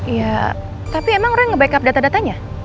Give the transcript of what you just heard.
ya tapi emang lo yang ngebackup data datanya